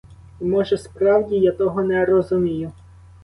І може, справді, я того не розумію!